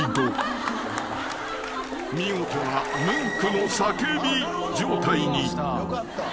［見事なムンクの『叫び』状態に］